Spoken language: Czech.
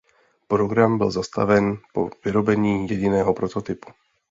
Program byl zastaven po vyrobení jediného prototypu.